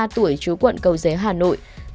bốn mươi ba tuổi chú quận cầu giới hà nội